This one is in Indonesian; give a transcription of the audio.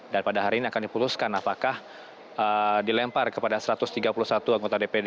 dan pada hari ini akan diputuskan apakah dilempar kepada satu ratus tiga puluh satu anggota dpd